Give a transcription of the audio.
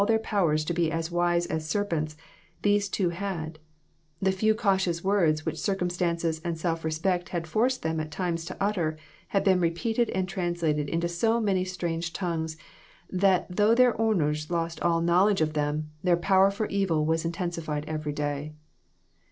their powers to be as wise as serpents, these two had ; the few cautious words which circumstances and self respect had forced them at times to utter had been repeated and translated into so many strange tongues, that though their owners lost all knowledge of them, their power for evil was inten sified each day.